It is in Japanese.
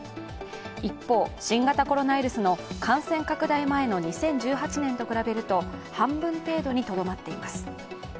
一方、新型コロナウイルスの感染拡大前の２０１８年と比べると半分程度にとどまっています。